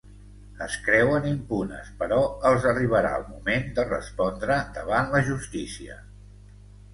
Es creuen impunes, però els arribarà el moment de respondre davant la justícia.